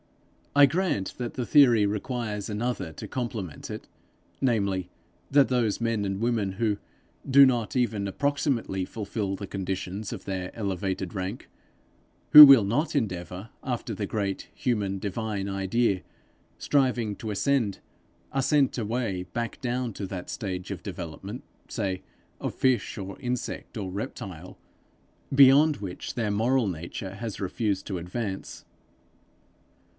I grant that the theory requires another to complement it; namely, that those men and women, who do not even approximately fulfil the conditions of their elevated rank, who will not endeavour after the great human divine idea, striving to ascend, are sent away back down to that stage of development, say of fish or insect or reptile, beyond which their moral nature has refused to advance.